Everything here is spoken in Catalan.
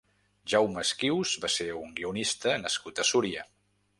Jaume Esquius va ser un guionista nascut a Súria.